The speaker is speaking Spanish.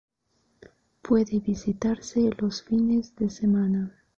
Puede visitarse los fines de semana.